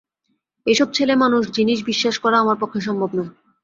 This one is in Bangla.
এইসব ছেলেমানুষ জিনিস বিশ্বাস করা আমার পক্ষে সম্ভব নয়।